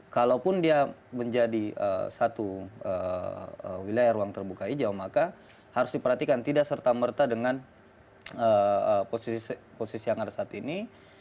kalaupun dia menjadi satu wilayah ruang terbuka hijau maka harus diperhatikan tidak serta merta dengan posisi yang ada saat ini